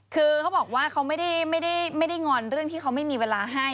คือเขาบอกว่าเขาไม่ได้งอนเรื่องที่เขาไม่มีเวลาให้